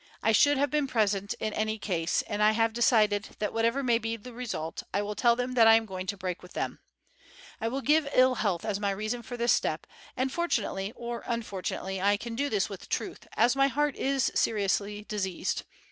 I should have been present in any case, and I have decided that, whatever may be the result, I will tell them I am going to break with them. I will give ill health as my reason for this step, and fortunately or unfortunately I can do this with truth, as my heart is seriously diseased.